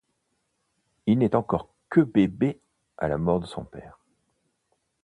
Il n'est encore que bébé à la mort de son père.